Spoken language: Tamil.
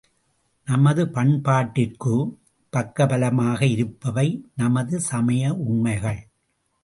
நமது பண்பாட்டிற்குப் பக்க பலமாக இருப்பவை நமது சமய உண்மைகள்.